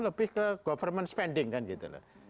lebih ke government spending kan gitu loh